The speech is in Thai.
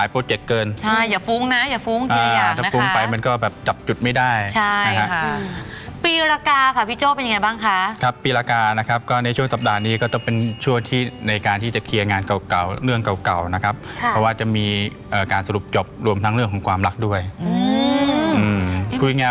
เพราะฉะนั้นเนี่ยมันกลายไว้